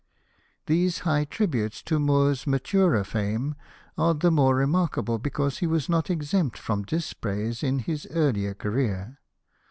These high tributes to Moore's maturer fame are the more remarkable because he was not exempt from dispraise in his earlier career.